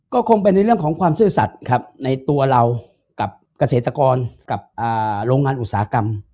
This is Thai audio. ก็คงเป็นในเรื่องของความซื่อสัตว์ครับในตัวเรากับเกษตรกรกับโรงงานอุตสาหกรรม